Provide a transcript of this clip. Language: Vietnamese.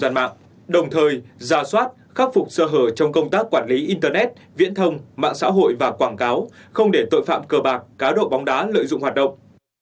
rời ra soát khắc phục sơ hở trong công tác quản lý internet viễn thông mạng xã hội và quảng cáo không để tội phạm cờ bạc cá độ bóng đá lợi dụng hoạt động